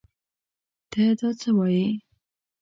تۀ دا څه وايې ؟